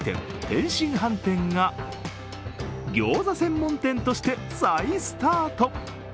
天津飯店がギョーザ専門店として再スタート。